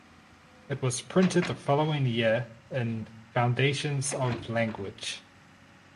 It was printed the following year in Foundations of Language.